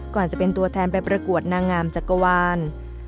ก่อนจะเป็นตัวแทนไปประกวดนางงามจักรวาล